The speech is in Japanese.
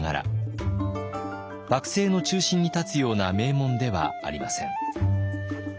幕政の中心に立つような名門ではありません。